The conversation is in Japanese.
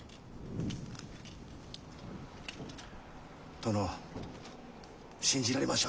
殿信じられましょうや？